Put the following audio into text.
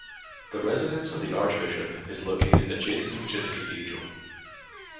The residence of the Archbishop is located adjacent to the Cathedral.